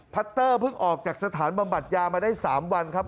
ัตเตอร์เพิ่งออกจากสถานบำบัดยามาได้๓วันครับ